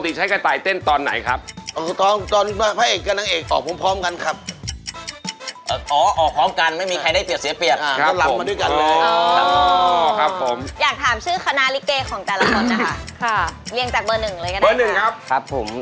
เรียงจากเบอร์หนึ่งเลยไป